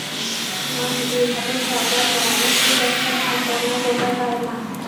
নাহ, দুই হাতের চামড়ার রঙে খুব একটা তারতম্য বোঝা যায় না।